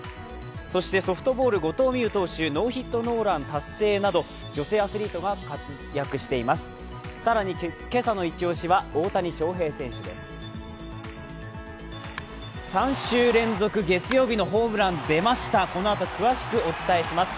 そしてソフトボール後藤希友投手、ノーヒットノーラン達成など、女性アスリートが活躍しています。